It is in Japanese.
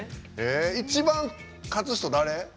一番勝つ人、誰？